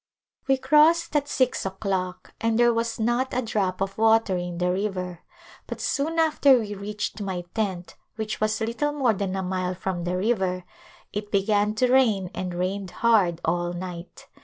We crossed at six o'clock and there was not a drop of water in the river, but soon after we reached my tent, which was little more than a mile from the river, it began to rain and rained hard all night.